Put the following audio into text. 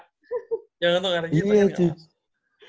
jangan nonton adegi tapi gak masuk